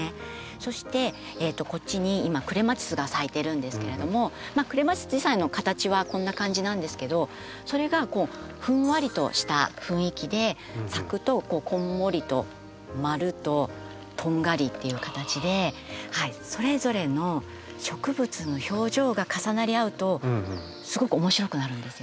そしてこっちに今クレマチスが咲いてるんですけれどもクレマチス自体の形はこんな感じなんですけどそれがふんわりとした雰囲気で咲くと「こんもり」と「まる」と「とんがり」っていう形でそれぞれの植物の表情が重なり合うとすごく面白くなるんですよ。